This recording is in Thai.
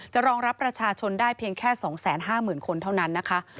รองรับประชาชนได้เพียงแค่๒๕๐๐๐คนเท่านั้นนะคะ